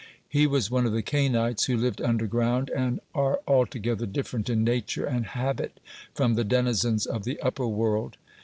He was one of the Cainites, who live underground, and are altogether different in nature and habit from the denizens of the upper world.